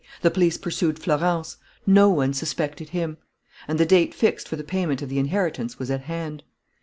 The police pursued Florence. No one suspected him. And the date fixed for the payment of the inheritance was at hand.